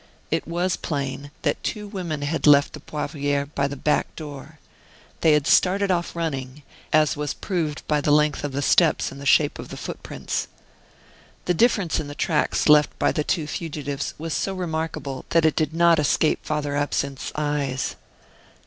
It was plain that two women had left the Poivriere by the back door. They had started off running, as was proved by the length of the steps and the shape of the footprints. The difference in the tracks left by the two fugitives was so remarkable that it did not escape Father Absinthe's eyes.